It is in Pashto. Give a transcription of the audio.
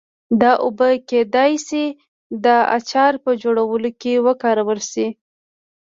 دا اوبه کېدای شي د اچار په جوړولو کې وکارول شي.